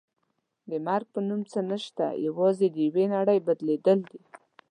د مرګ په نوم څه نشته یوازې د یوې نړۍ بدلېدل دي.